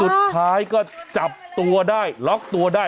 สุดท้ายก็จับตัวได้ล็อกตัวได้